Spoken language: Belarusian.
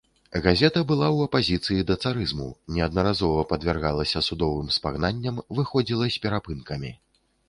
Газета была ў апазіцыі да царызму, неаднаразова падвяргалася судовым спагнанням, выходзіла з перапынкамі.